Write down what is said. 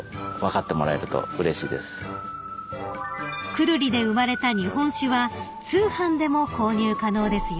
［久留里で生まれた日本酒は通販でも購入可能ですよ］